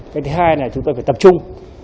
cái thứ hai là chúng tôi phải tập trung